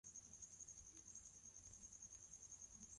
mtangazaji anaiweka mada katika muunndo wa majadiliano